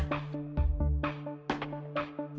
đặc biệt yêu cầu đặt tài sản